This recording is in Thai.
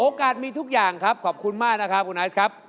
มีทุกอย่างครับขอบคุณมากนะครับคุณไอซ์ครับ